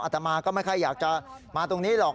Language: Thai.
ตมาก็ไม่ค่อยอยากจะมาตรงนี้หรอก